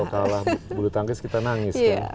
kalau kalah bulu tangkis kita nangis kan